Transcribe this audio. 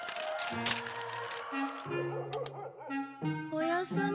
おやすみ。